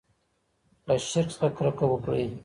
له شرک څخه کرکه وکړئ.